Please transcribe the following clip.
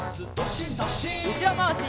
うしろまわし。